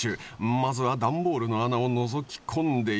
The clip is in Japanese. まずは段ボールの穴をのぞき込んでいく。